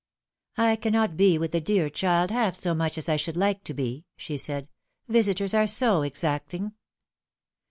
" I cannot be with the dear child half so much as I should like to be," she said ;" visitors are so exacting."